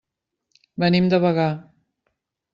Venim de Bagà.